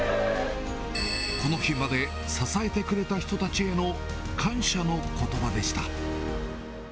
この日まで支えてくれた人たちへの感謝のことばでした。